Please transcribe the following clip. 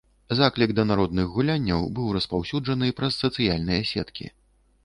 Заклік да народных гулянняў быў распаўсюджаны праз сацыяльныя сеткі.